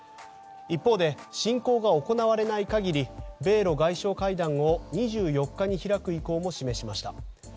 一方で、侵攻が行われない限り米露外相会談を２４日に開く意向も示しました。